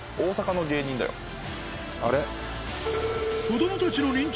あれ？